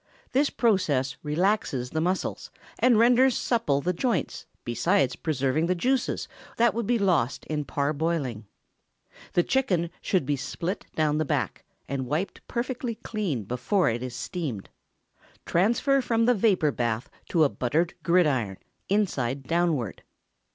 This process relaxes the muscles, and renders supple the joints, besides preserving the juices that would be lost in parboiling. The chicken should be split down the back, and wiped perfectly dry before it is steamed. Transfer from the vapor bath to a buttered gridiron, inside downward.